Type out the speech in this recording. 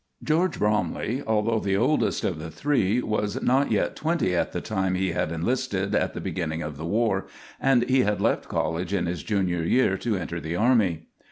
George Bromley, although the oldest of the three, was not yet twenty at the time he had enlisted at the beginning of the war, and he had left college in his junior year to enter the army.